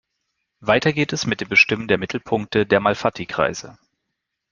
Weiter geht es mit dem Bestimmen der Mittelpunkte der Malfatti-Kreise.